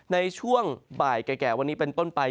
ในช่วงบ่ายแก่วันนี้เป็นต้นไป